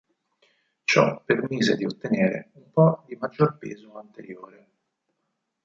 Ciò permise di ottenere un po' di maggior peso anteriore.